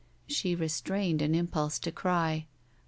She restrained an impulse to cry.